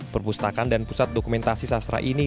perpustakaan dan pusat dokumentasi sastra ini